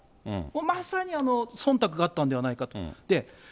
もうまさにそんたくがあったんではないかと。